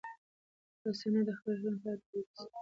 ثانیه د خپل ژوند په اړه د بي بي سي سره خبرې کړې.